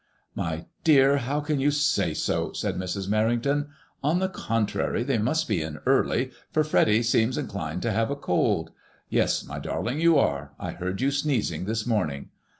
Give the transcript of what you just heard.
My dear I how can you say so !" said Mrs. Merrington. *'0n the contrary, they must be in early, for Freddy seems MADEMOISKLLB IXS. 139 inclined to have a cold. Yes, my darling, you are. I heard you sneezing this morning.